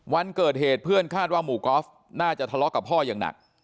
วันเกิดเหตุเพื่อนคาดว่าหมู่กอล์ฟน่าจะทะเลาะกับพ่ออย่างหนัก